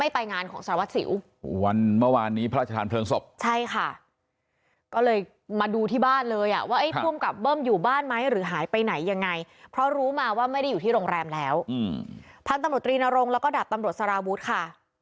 พันธุ์ตำรวจรีนรงค์และก็ดัดตำรวจสารวุธค่ะ